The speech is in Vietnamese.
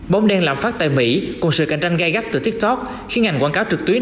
bóng đen lạm phát tại mỹ cùng sự cạnh tranh gai gắt từ tiktok khiến ngành quảng cáo trực tuyến